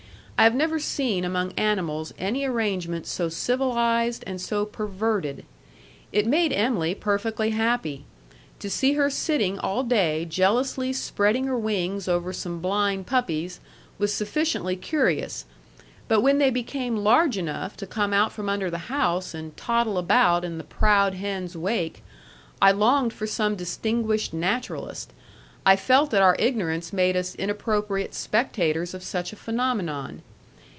I have never seen among animals any arrangement so civilized and so perverted. It made Em'ly perfectly happy. To see her sitting all day jealously spreading her wings over some blind puppies was sufficiently curious; but when they became large enough to come out from under the house and toddle about in the proud hen's wake, I longed for some distinguished naturalist. I felt that our ignorance made us inappropriate spectators of such a phenomenon.